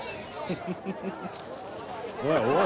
「おいおい！」